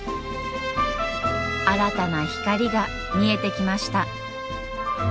新たな光が見えてきました。